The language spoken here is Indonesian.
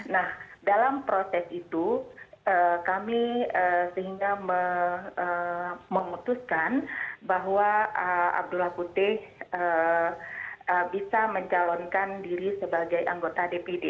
nah dalam proses itu kami sehingga memutuskan bahwa abdullah putih bisa mencalonkan diri sebagai anggota dpd